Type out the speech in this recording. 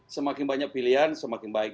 semakin banyak pilihan semakin baik